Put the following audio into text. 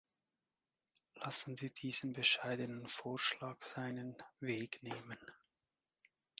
Lassen Sie diesen bescheidenen Vorschlag seinen Weg nehmen.